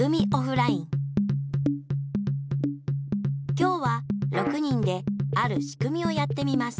きょうは６人であるしくみをやってみます。